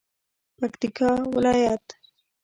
پکتیکا ولایت